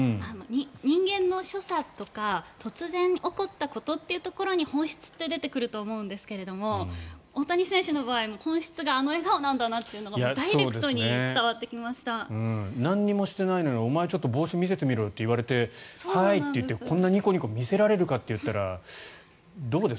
人間の所作とか突然起こったことというところに本質って出てくると思うんですけれども大谷選手の場合は本質があの笑顔なんだなというのがダイレクトに何もしていないのにお前ちょっと帽子見せてみろよと言われて、はいとこんなニコニコ見せられるかといったらどうです？